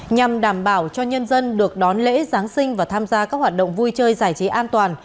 nhằm đảm bảo cho nhân dân được đón lễ giáng sinh và tham gia các hoạt động vui chơi giải trí an toàn